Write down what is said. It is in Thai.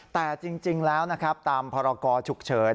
แต่จริงแล้วนะครับตามพรกรฉุกเฉิน